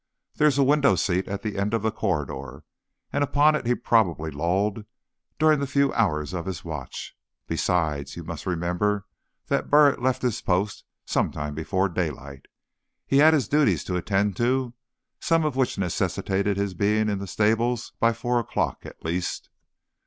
There is a window seat at the end of the corridor, and upon it he probably lolled during the few hours of his watch. Besides, you must remember that Burritt left his post some time before daylight. He had his duties to attend to, some of which necessitated his being in the stables by four o'clock, at least."